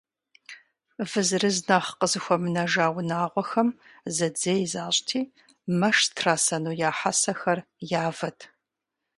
Вы зырыз нэхъ къызыхуэмынэжа унагъуэхэм зэдзей защӏти, мэш зытрасэну я хьэсэхэр явэт.